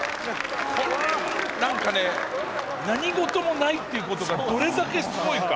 これは何かね何事もないっていうことがどれだけすごいか。